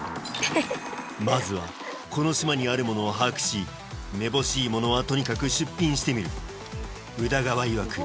まずはこの島にあるものを把握しめぼしいものはとにかく出品してみる宇田川いわく